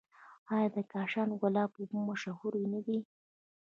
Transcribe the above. آیا د کاشان ګلاب اوبه مشهورې نه دي؟